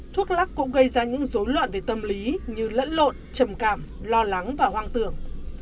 thuốc lắc cũng gây ra những dối loạn về tâm lý như lẫn lộn trầm cảm lo lắng và hoang tưởng